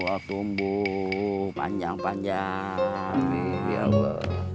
baru berbal konten suami